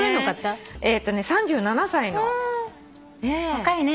若いね。